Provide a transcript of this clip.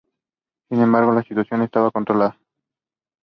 Sin embargo, la situación estaba controlada.